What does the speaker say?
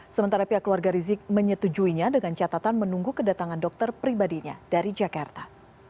sementara pihak keluarga rizik menyetujuinya dengan catatan menunggu kedatangan dokter pribadinya dari jakarta